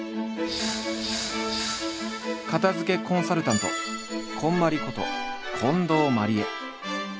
片づけコンサルタント「こんまり」こと近藤麻理恵。